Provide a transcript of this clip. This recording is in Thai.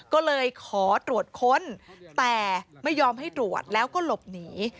ก็เลยขอตรวจค้นแต่ไม่ยอมให้ตรวจแล้วก็หลบหนี